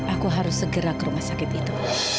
aku harus segera ke rumah sakit itu